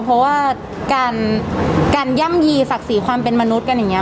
เพราะว่าการย่ำยีศักดิ์ศรีความเป็นมนุษย์กันอย่างนี้